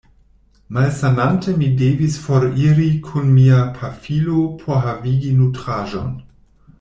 Malsanante, mi devis foriri kun mia pafilo por havigi nutraĵon.